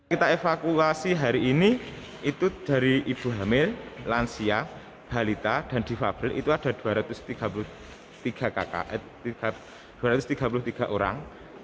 kita evakuasi hari ini itu dari ibu hamil lansia balita dan difabel itu ada dua ratus tiga puluh tiga orang